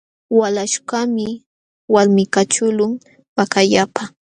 Walaśhkaqmi walmichakuqlun pakallapa.